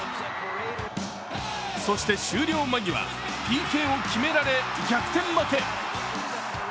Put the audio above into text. そして終了間際、ＰＫを決められ逆転負け。